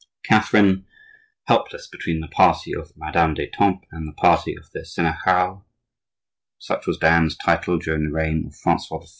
Catherine, helpless between the party of Madame d'Etampes and the party of the Senechale (such was Diane's title during the reign of Francois I.)